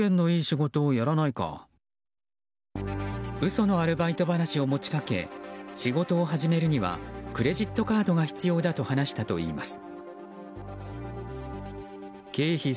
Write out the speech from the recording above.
嘘のアルバイト話を持ち掛け仕事を始めるにはクレジットカードが必要だと話したといいます。